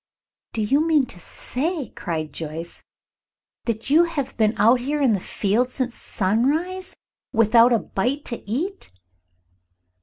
"Do you mean to say," cried Joyce, "that you have been out here in the field since sunrise without a bite to eat?"